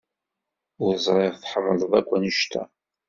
Ur ẓriɣ tḥemmled akk anect-a.